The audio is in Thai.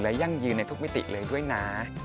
และยั่งยืนในทุกมิติเลยด้วยนะ